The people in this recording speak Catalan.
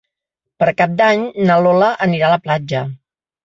Per Cap d'Any na Lola anirà a la platja.